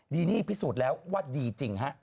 ดีนี่พิสูจน์แล้วว่าดีจริงฮะ